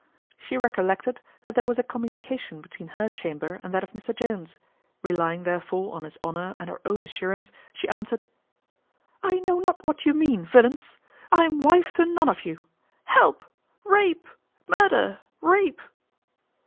She recollected that there was a communication between her chamber and that of Mr Jones; relying, therefore, on his honour and her own assurance, she answered, "I know not what you mean, villains! I am wife to none of you. Help! Rape! Murder! Rape!"